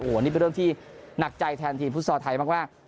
อันนี้เป็นเรื่องที่หนักใจแทนทีมฟุตซอลไทยมาก